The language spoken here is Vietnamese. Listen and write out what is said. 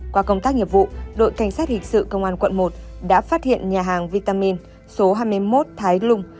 qua công tác nghiệp vụ đội cảnh sát hình sự công an quận một đã phát hiện nhà hàng vitamin số hai mươi một thái lung